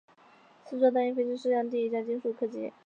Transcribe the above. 这种四座单翼飞机是世界上第一架全金属客机。